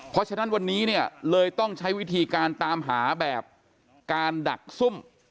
เพราะฉะนั้นวันนี้เนี่ยเลยต้องใช้วิธีการตามหาแบบการดักซุ่ม